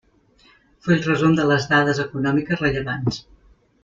Full resum de les dades econòmiques rellevants.